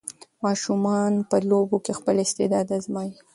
ماشومان په لوبو کې خپل استعداد ازمويي.